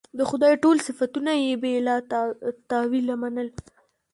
د خدای ټول صفتونه یې بې له تأویله منل.